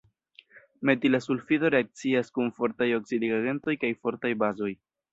Metila sulfido reakcias kun fortaj oksidigagentoj kaj fortaj bazoj.